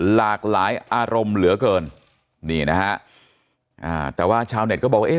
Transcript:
หลากหลายอารมณ์เหลือเกินนี่นะฮะอ่าแต่ว่าชาวเน็ตก็บอกว่าเอ๊